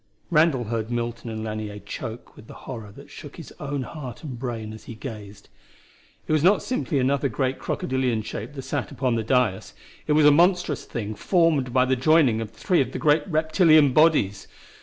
Randall heard Milton and Lanier choke with the horror that shook his own heart and brain as he gazed. It was not simply another great crocodilian shape that sat upon that dais. It was a monstrous thing formed by the joining of three of the great reptilian bodies!